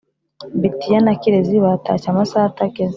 betiya na kirezi batashye amasaha atageze